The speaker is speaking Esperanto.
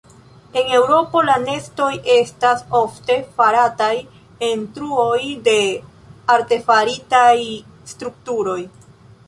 En Eŭropo la nestoj estas ofte farataj en truoj de artefaritaj strukturoj.